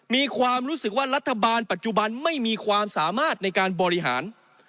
มีความรู้สึกว่ารัฐบาลปัจจุบันไม่มีความสามารถในการบริหาร